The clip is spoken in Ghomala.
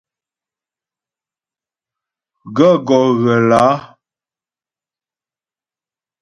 Gaə̂ gɔ́ ghə lǎ ?